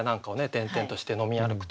転々として飲み歩くと。